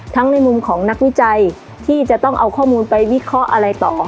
ในมุมของนักวิจัยที่จะต้องเอาข้อมูลไปวิเคราะห์อะไรต่อออก